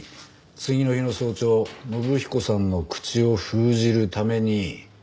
次の日の早朝信彦さんの口を封じるために。